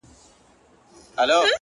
• عرب وویل غنم کلي ته وړمه,